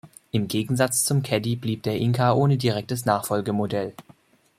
Im Gegensatz zum Caddy blieb der Inca ohne direktes Nachfolgemodell.